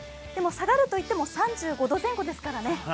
下がるといっても３５度前後ですからね。